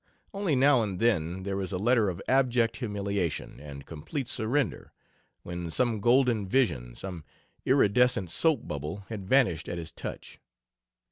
Only, now and then, there is a letter of abject humiliation and complete surrender, when some golden vision, some iridescent soap bubble, had vanished at his touch.